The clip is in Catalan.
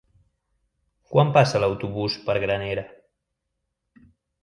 Quan passa l'autobús per Granera?